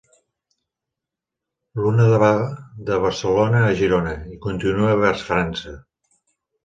L'una va de Barcelona a Girona i continua vers França.